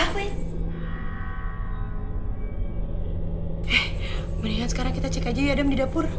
eh mendingan sekarang kita cek aja ya dam di dapur